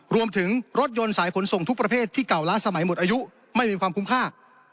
รวมถึงรถยนต์สายขนส่งทุกประเภทที่เก่าล้าสมัยหมดอายุไม่มีความคุ้มค่า